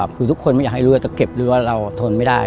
คือทุกคนไม่อยากให้รู้ว่าจะเก็บหรือว่าเราทนไม่ได้